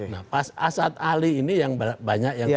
nah asad ali ini yang banyak yang tidak